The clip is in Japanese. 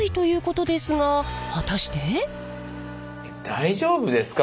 大丈夫ですか？